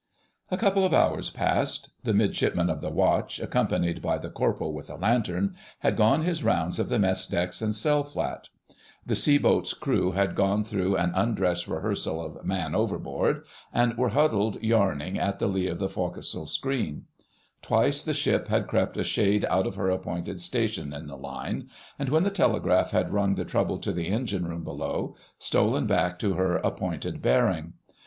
A couple of hours passed. The Midshipman of the Watch, accompanied by the Corporal with a lantern, had gone his rounds of the mess decks and cell flat. The seaboat's crew had gone through an undress rehearsal of "Man overboard!" and were huddled yarning in the lee of the forecastle screen. Twice the ship had crept a shade out of her appointed station in the line, and, when the telegraph had rung the trouble to the Engine room below, stolen back to her appointed bearing.